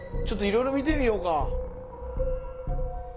ちょっといろいろ見てみようか。